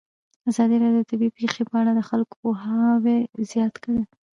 ازادي راډیو د طبیعي پېښې په اړه د خلکو پوهاوی زیات کړی.